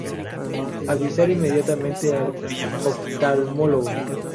Avisar inmediatamente al oftalmólogo.